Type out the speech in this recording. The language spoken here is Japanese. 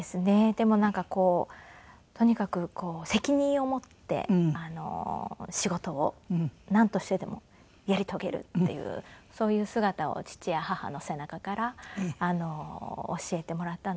でもなんかこうとにかく責任を持って仕事をなんとしてでもやり遂げるっていうそういう姿を父や母の背中から教えてもらったので。